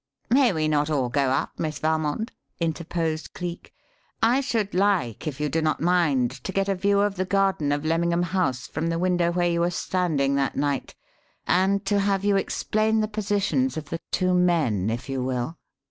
"May we not all go up, Miss Valmond?" interposed Cleek. "I should like, if you do not mind, to get a view of the garden of Lemmingham House from the window where you were standing that night, and to have you explain the positions of the two men if you will."